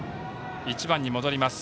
１番に戻ります。